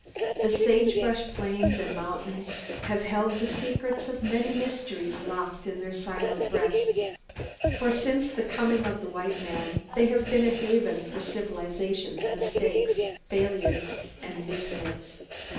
The sagebrush plains and mountains have held the secrets of many Mysteries locked in their silent breasts, for, since the coming of the White Man, they have been a haven for civilization's Mistakes, Failures and Misfits.